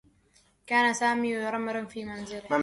كان سامي يرمّم منزله.